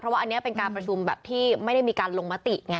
เพราะว่าอันนี้เป็นการประชุมแบบที่ไม่ได้มีการลงมติไง